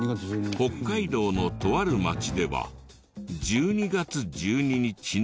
北海道のとある町では十二月十二日の水。